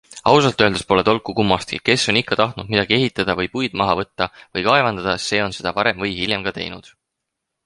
Ausalt öeldes pole tolku kummastki - kes on ikka tahtnud midagi ehitada või puid maha võtta või kaevandada, see on seda varem või hiljem ka teinud.